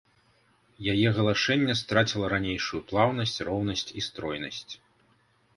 Яе галашэнне страціла ранейшую плаўнасць, роўнасць і стройнасць.